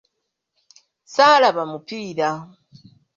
Ssaalaba mupiira.